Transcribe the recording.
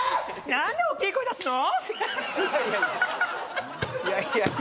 なんで大きい声出すの？